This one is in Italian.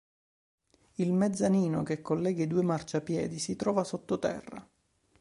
Il mezzanino, che collega i due marciapiedi, si trova sottoterra.